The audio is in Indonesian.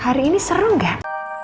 hari ini seru gak